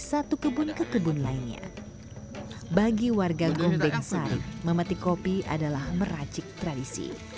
satu kebun ke kebun lainnya bagi warga gom bengsari memeti kopi adalah merajik tradisi